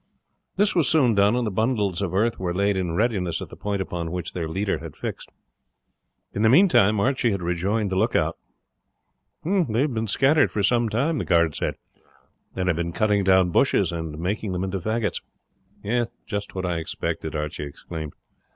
This was soon done, and the bundles of earth were laid in readiness at the point upon which their leader had fixed. In the meantime Archie had rejoined the lookout. "They have been scattered for some time," the guard said, "and have been cutting down bushes and making them into faggots." "Just what I expected," Archie exclaimed.